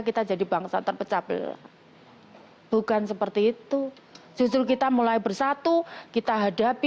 kita jadi bangsa terpecah belah bukan seperti itu justru kita mulai bersatu kita hadapi